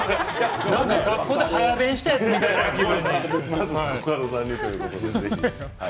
学校で早弁したやつみたいな気分に。